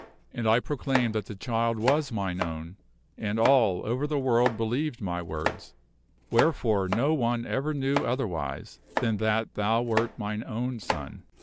And I proclaimed that the child was mine own, and all over the world believed my words, wherefore no one ever knew otherwise than that thou wert mine own son.